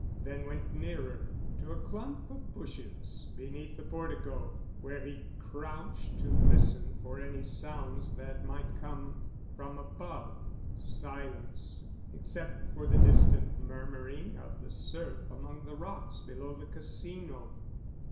Then went nearer, to a clump of bushes, beneath the portico, where he crouched to listen for any sounds that might come from above. Silence, except for the distant murmuring of the surf among the rocks below the Casino.